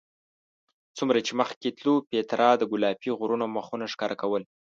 څومره چې مخکې تلو پیترا د ګلابي غرونو مخونه ښکاره کول.